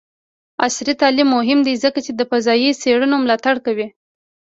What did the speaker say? عصري تعلیم مهم دی ځکه چې د فضايي څیړنو ملاتړ کوي.